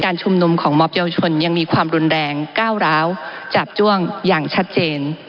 ชุมนุมของมอบเยาวชนยังมีความรุนแรงก้าวร้าวจาบจ้วงอย่างชัดเจน